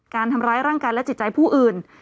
การทำร้ายร่างกายและจิตใจผู้อื่น